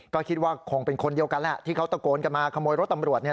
ก็คิดว่าคงเป็นคนเดียวกันแหละที่เขาตะโกนกันมาขโมยรถตำรวจเนี่ย